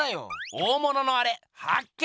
大物のアレ発見！